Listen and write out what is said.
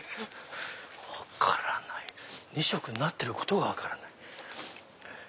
分からない２色になってることが分からない。